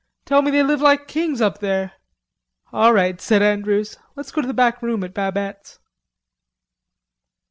Tell me they live like kings up there." "All right," said Andrews, "let's go to the back room at Babette's."